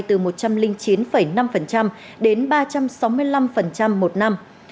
từ một trăm linh chín năm đến ba trăm sáu mươi năm một năm